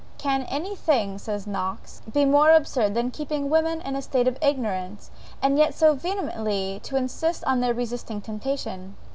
"Can any thing," says Knox, be more absurd than keeping women in a state of ignorance, and yet so vehemently to insist on their resisting temptation?